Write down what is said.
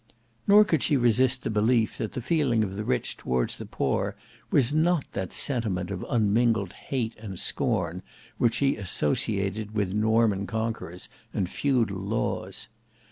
Nor could she resist the belief that the feeling of the rich towards the poor was not that sentiment of unmingled hate and scorn which she associated with Norman conquerors and feudal laws.